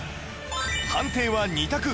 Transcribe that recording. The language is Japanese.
判定は２択